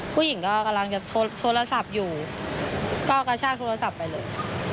ผู้หญิงก็กำลังจะโทรศัพท์อยู่ก็กระชากโทรศัพท์ไปเลย